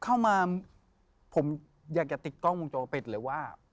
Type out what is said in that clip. เข้ามาผมอยากจะติดกล้องวงจรปิดหรือว่า